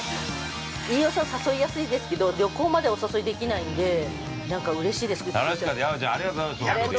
飯尾さん、誘いやすいですけど、旅行までお誘いできないんで、なんかうれしいです。